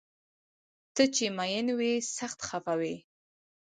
ته چې مین وي سخت خفه وي